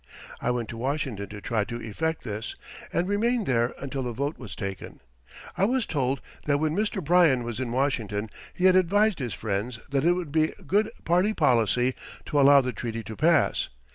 I went to Washington to try to effect this, and remained there until the vote was taken. I was told that when Mr. Bryan was in Washington he had advised his friends that it would be good party policy to allow the treaty to pass.